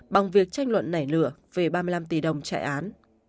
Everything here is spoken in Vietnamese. bằng việc tranh luận nảy lửa về ba mươi năm tỷ đồng chạy án